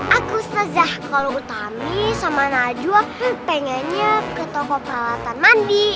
aku ustadzah kalau utami sama najwa pengennya ke toko peralatan mandi